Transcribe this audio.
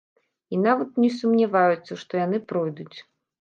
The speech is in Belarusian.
І нават не сумняваюцца, што яны пройдуць.